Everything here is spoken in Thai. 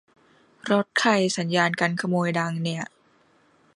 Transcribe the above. รถใครสัญญาณกันขโมยดังเนี่ย